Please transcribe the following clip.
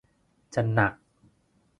จะหนัก